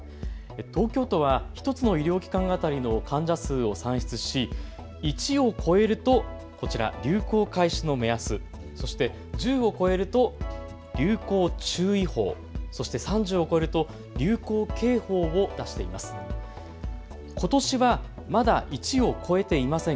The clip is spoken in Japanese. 東京都は１つの医療機関当たりの患者数を算出し、１を超えるとこちら、流行開始の目安、そして１０を超えると流行注意報、そして３０を超えると流行警報を出しています。